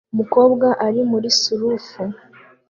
Umukobwa ari muri surf